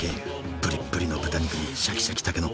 ぶりっぶりの豚肉にシャキシャキたけのこ。